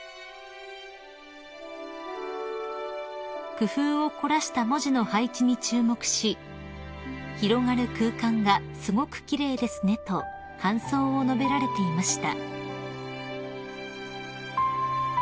［工夫を凝らした文字の配置に注目し「広がる空間がすごく奇麗ですね」と感想を述べられていました］